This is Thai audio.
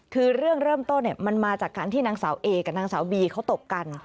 คือเรื่องเริ่มต้นมันมาจากการที่นางสาวเอกับนางสาวบีเขาตบกัน